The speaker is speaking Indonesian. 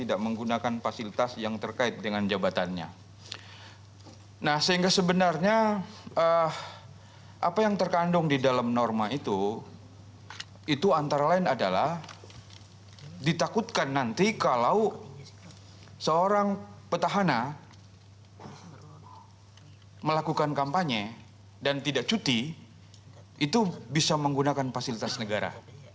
apa yang terkandung di dalam norma itu itu antara lain adalah ditakutkan nanti kalau seorang petahana melakukan kampanye dan tidak cuti itu bisa menggunakan fasilitas negara